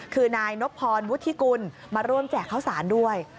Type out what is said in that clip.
คือนายนบพรวุฒิกุลมาร่วมแจกข้าวสารด้วย